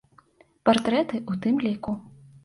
Партрэты ў тым ліку.